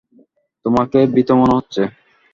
তোমাকে ভীত মনে হচ্ছে।